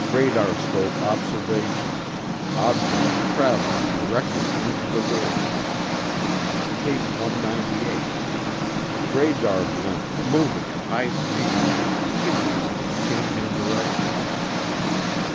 Radarscope observation ... object traveling directly into the wind. ... Case 198. Radar blimp moving at high speed and continuously changing direction.